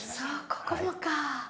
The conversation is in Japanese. ここもか。